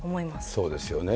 そうですよね。